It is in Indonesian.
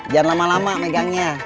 jangan lama lama pegangnya